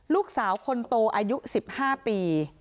ลูกสาวคนโตอายุ๑๕ปี